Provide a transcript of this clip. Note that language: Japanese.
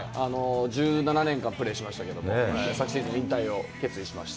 １７年間プレーしましたけど、昨シーズン引退を決意しまして。